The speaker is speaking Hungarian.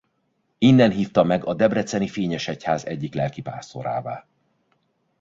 Innen hívta meg a debreceni fényes egyház egyik lelkipásztorává.